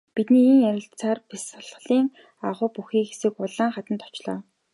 Бид ийн ярилцсаар бясалгалын агуй бүхий хэсэг улаан хаданд очлоо.